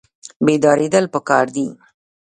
بیداریدل پکار دي